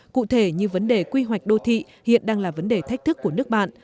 cụ thể như vấn đề quy hoạch đô thị hiện đang là vấn đề thách thức của nước bạn